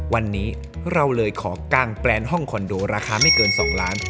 วันนี้เราเลยขอกางแปลนห้องคอนโดราคาไม่เกิน๒ล้าน